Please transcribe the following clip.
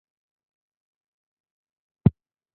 枫丹白露度假村曾为度假村创造营收新高。